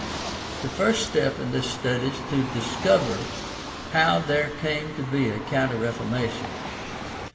— ^The first step in this study is to discover how there came to be a Counter Reformation.